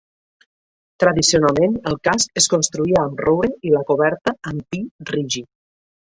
Tradicionalment, el casc es construïa amb roure i la coberta amb pi rígid.